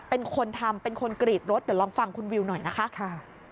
เป็นคนทำเป็นคนกรีดรถเดี๋ยวลองฟังคุณวิวหน่อยนะคะ